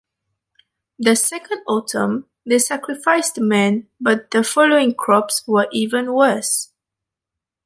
The second autumn, they sacrificed men, but the following crops were even worse.